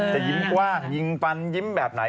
จะยิ้มกว้างยิงฟันยิ้มแบบไหน